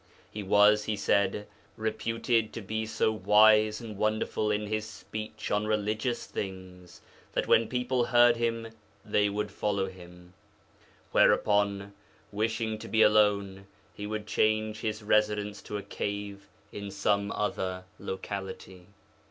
He was, he said, reputed to be so wise and wonderful in his speech on religious things that when people heard him they would follow him; whereupon, wishing to be alone, he would change his residence to a cave in some other locality.